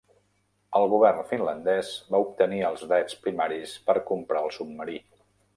El govern finlandès va obtenir els drets primaris per comprar el submarí.